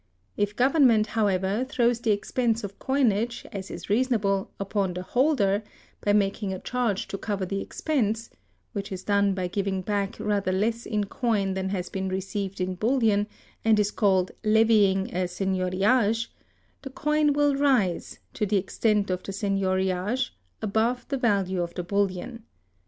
If Government, however, throws the expense of coinage, as is reasonable, upon the holder, by making a charge to cover the expense (which is done by giving back rather less in coin than has been received in bullion, and is called levying a seigniorage), the coin will rise, to the extent of the seigniorage, above the value of the bullion.